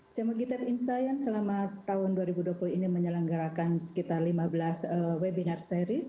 sema gitab inscience selama tahun dua ribu dua puluh ini menyelenggarakan sekitar lima belas webinar series